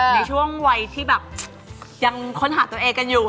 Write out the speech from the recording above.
ในช่วงวัยที่แบบยังค้นหาตัวเองกันอยู่